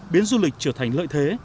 biến du lịch trở thành lợi thế